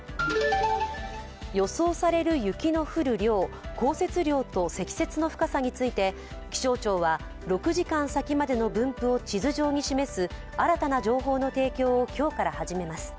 予想される雪の降る量、降雪量と積雪の深さについて気象庁は６時間先までの分布を地図上に示す新たな情報の提供を今日から始めます。